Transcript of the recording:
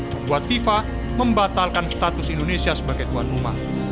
membuat fifa membatalkan status indonesia sebagai tuan rumah